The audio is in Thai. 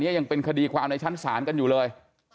ยังเป็นคดีความในชั้นศาลกันอยู่เลย